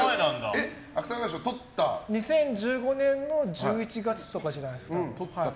２０１５年の１１月とかじゃないですか。